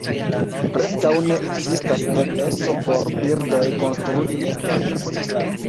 Preskaŭ ne ekzistas ebleco por birdoj konstrui nestojn.